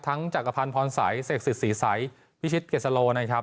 จักรพันธ์พรสัยเสกสิทธศรีใสพิชิตเกษโลนะครับ